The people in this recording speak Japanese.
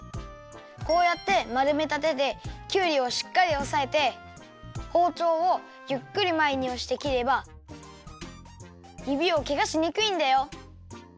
こうやってまるめたてできゅうりをしっかりおさえてほうちょうをゆっくりまえにおしてきればゆびをけがしにくいんだよ。